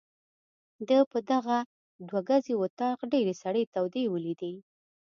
ده په دغه دوه ګزي وطاق ډېرې سړې تودې ولیدې.